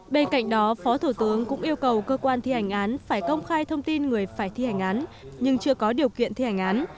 bên cạnh đó phó thủ tướng cũng yêu cầu cơ quan thi hành án phải công khai thông tin người phải thi hành án nhưng chưa có điều kiện thi hành án